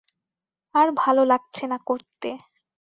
আর ভালো লাগছে না করতে।